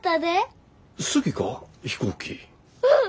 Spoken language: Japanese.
うん！